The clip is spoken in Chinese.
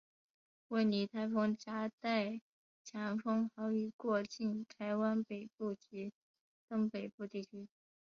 温妮台风挟带强风豪雨过境台湾北部及东北部地区。